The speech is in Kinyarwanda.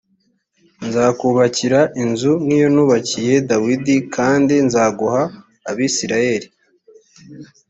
nzakubakira inzu nkiyo nubakiye dawidi kandi nzaguha abisirayeli